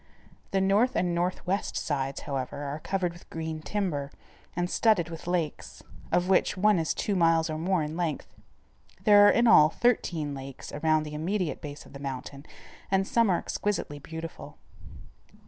The north and northwest sides, however, are covered with green timber, and studded with lakes, of which one is two miles or more in length. There are in all thirteen lakes around the immediate base of the mountain, and some are exquisitely beautiful.